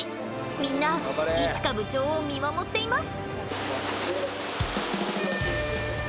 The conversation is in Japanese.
みんな一奏部長を見守っています。